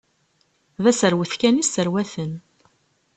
D aserwet kan i sserwaten.